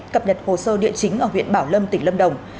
cập nhật hồ sơ địa chính ở huyện bảo lâm tỉnh lâm đồng